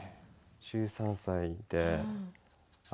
１３歳で。